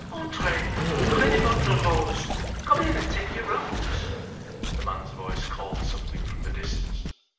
"Entrez! Prenez votre rose. Come in and take your rose." The man's voice called something from the distance.